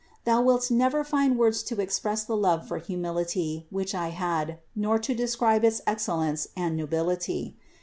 Thou wilt never find words to express the love for humility which I had, nor to de scribe its excellence and nobility.